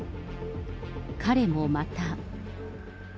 彼もまた。